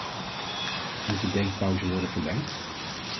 Moet de denkpauze worden verlengd?